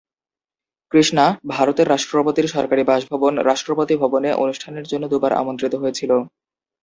কৃষ্ণা ভারতের রাষ্ট্রপতির সরকারী বাসভবন রাষ্ট্রপতি ভবনে অনুষ্ঠানের জন্য দু'বার আমন্ত্রিত হয়েছিল।